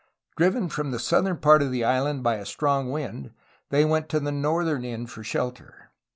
Driven from the southern part of the island by a strong wind, they went to the northern end for shelter.